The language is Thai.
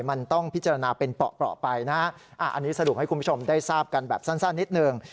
มันต้องพิจารณาเป็นเปราะไปนะฮะอันนี้สรุปให้คุณผู้ชมได้ทราบกันแบบสั้นนิดหนึ่ง